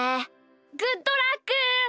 グッドラック！